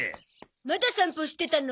まだ散歩してたの？